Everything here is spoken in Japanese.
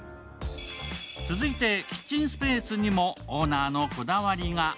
続いて、キッチンスペースにもオーナーのこだわりが。